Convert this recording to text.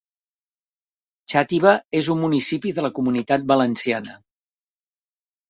Xàtiva és un municipi de la Comunitat Valenciana